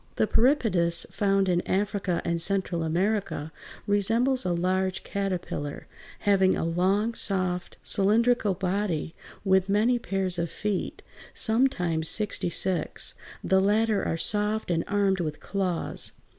The Peripatus, found in Africa and Central America, resembles a large caterpillar, having a long, soft, cylindrical body with many pairs of feet, sometimes sixty six; the latter are soft and armed with claws.